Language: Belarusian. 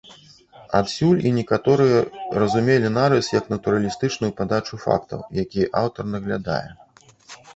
Адсюль і некаторыя разумелі нарыс як натуралістычную падачу фактаў, якія аўтар наглядае.